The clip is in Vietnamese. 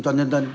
cho nhân dân